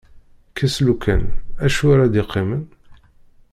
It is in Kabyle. Kkes "lukan", acu ara d-iqqimen.